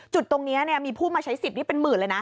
จุดตรงเนี้ยเนี้ยมีผู้มาใช้สิบนี่เป็นหมื่นเลยนะ